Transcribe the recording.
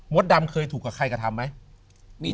ดำเคยถูกกับใครกระทำไหม